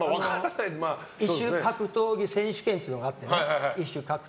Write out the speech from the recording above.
異種格闘技選手権というのがあってね。